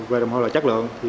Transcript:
về đồng hồ là chất lượng